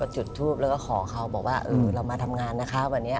จุดทูปแล้วก็ขอเขาบอกว่าเออเรามาทำงานนะคะวันนี้